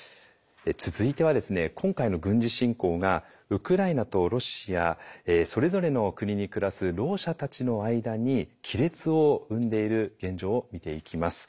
続いては今回の軍事侵攻がウクライナとロシアそれぞれの国に暮らすろう者たちの間に亀裂を生んでいる現状を見ていきます。